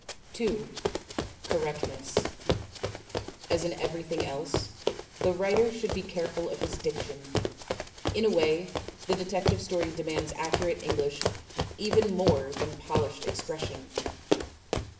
2. Correctness As in everything else, the writer should be careful of his diction. In a way, the detective story demands accurate English even more than polished expression.